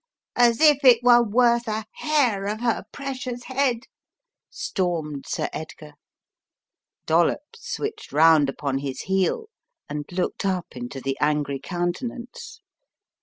As if it were worth a hair of her precious head!" stormed Sir Edgar. Dollops switched round upon his heel and looked up into the angry countenance.